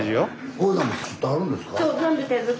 こういうなんも作ってはるんですか？